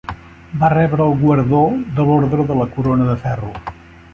Va rebre el guardó de l'Ordre de la Corona de Ferro.